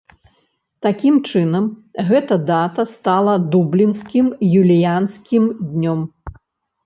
Такім чынам гэта дата стала дублінскім юліянскім днём.